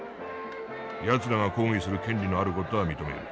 やつらが抗議する権利のある事は認める。